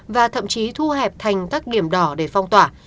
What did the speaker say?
và thậm chí thu hẹp thành các điểm đỏ để phong tỏa